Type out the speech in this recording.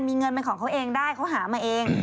มีเงินเป็นของเขาเองได้เขาหามาเอง